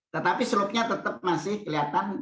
tetapi slopnya tetap masih kelihatan